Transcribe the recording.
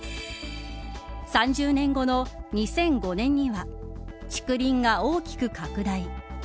３０年後の２００５年には竹林が大きく拡大。